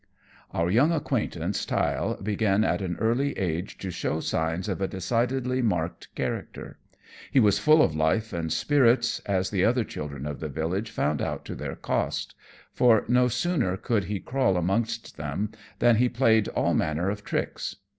_ Our young acquaintance, Tyll, began at an early age to show signs of a decidedly marked character. He was full of life and spirits, as the other children of the village found out to their cost, for no sooner could he crawl amongst them than he played all manner of tricks.